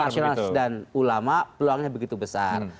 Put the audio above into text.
nasionalis dan ulama peluangnya begitu besar